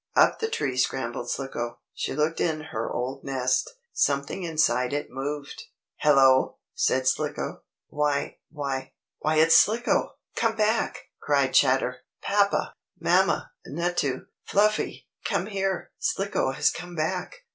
Up the tree scrambled Slicko. She looked in her old nest. Something inside it moved. "Hello!" said Slicko. "Why why why it's Slicko come back!" cried Chatter. "Papa Mamma! Nutto, Fluffy! Come here. Slicko has come back!"